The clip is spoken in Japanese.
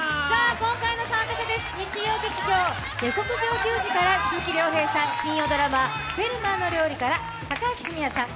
今回の参加者です、日曜劇場「下剋上球児」から鈴木亮平さん、金曜ドラマ「フェルマーの料理」から高橋文哉さん